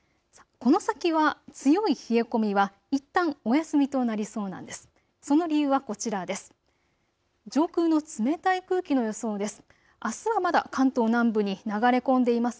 この先は強い冷え込みはいったんお休みとなりそうなんです。